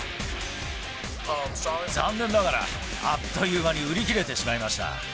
残念ながら、あっという間に売り切れてしまいました。